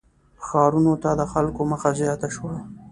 • ښارونو ته د خلکو مخه زیاته شوه.